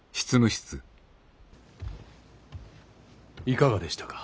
いかがでしたか。